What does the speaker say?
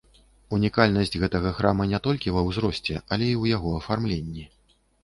Унікальнасць гэтага храма не толькі ва ўзросце, але і яго афармленні.